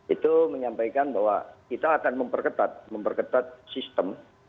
itu menyampaikan bahwa kita akan memperketat memperketat sistem